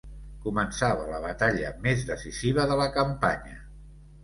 Començava la batalla més decisiva de la campanya.